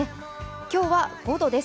今日は５度です。